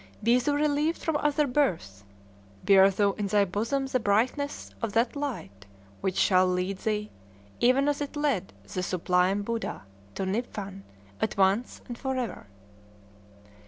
Be thou relieved from other births! Bear thou in thy bosom the brightness of that light which shall lead thee, even as it led the sublime Buddha, to Niphan, at once and forever!"